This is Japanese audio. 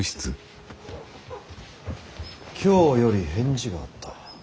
京より返事があった。